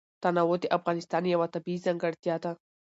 تنوع د افغانستان یوه طبیعي ځانګړتیا ده.